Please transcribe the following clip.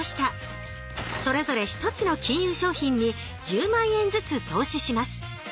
それぞれひとつの金融商品に１０万円ずつ投資します。